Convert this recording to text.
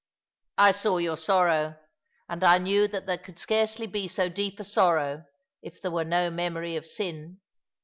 "I saw your sorrow; and I knew that there could scarcely be so deep a sorrow if there were no memory of sin.